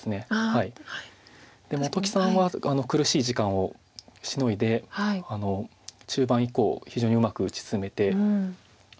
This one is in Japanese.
本木さんは苦しい時間をしのいで中盤以降非常にうまく打ち進めて。